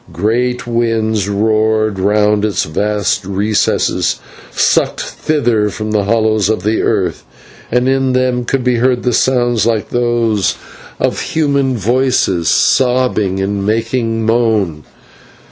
Great winds roared round its vast recesses, sucked thither from the hollows of the earth, and in them could be heard sounds like to those of human voices, sobbing and making moan.